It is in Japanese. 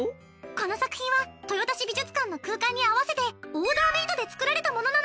この作品は豊田市美術館の空間に合わせてオーダーメイドで作られたものなの。